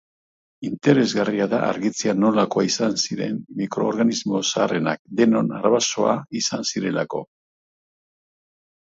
Interesgarria da argitzea nolakoa izan ziren mikroorganismo zaharrenak, denon arbasoa izan zirelako.